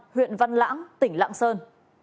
huyện văn lãng tỉnh lạng sơn